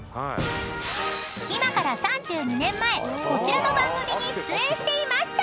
［今から３２年前こちらの番組に出演していました］